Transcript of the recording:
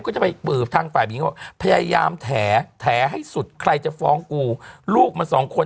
ก็จะไปอื้อถังฝ่ายพวกพยายามแถแถให้สุดใครจะฟ้องกูลูกมันสองคน